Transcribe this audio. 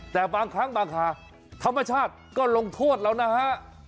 แต่บางครั้งบางครั้งธรรมชาติก็ลงทวดเรานะฮะ